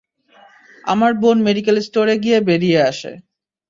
আমার বোন মেডিকেল স্টোরে গিয়ে বেরিয়ে আসে।